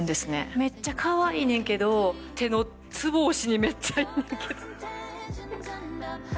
めっちゃかわいいねんけど手のつぼ押しにめっちゃいいんだけど。